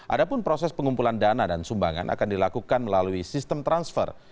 ada pun proses pengumpulan dana dan sumbangan akan dilakukan melalui sistem transfer